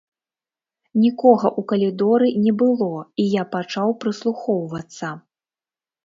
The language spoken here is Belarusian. Нікога ў калідоры не было, і я пачаў прыслухоўвацца.